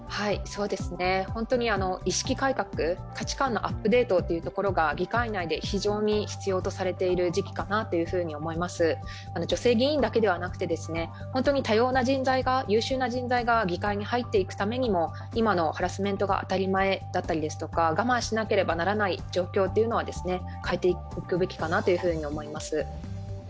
意識改革、価値観のアップデートというところが議会内で非常に必要とされている時期かなというふうに思います、女性議員だけ出なくて多様な人材が、優秀な人材が議会に入っていくためにも、今のハラスメントが当たり前だったりですとか我慢しなければならない状況というのは、変えていくべきかなと思います。